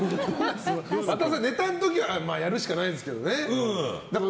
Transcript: ネタの時はやるしかないですけどね。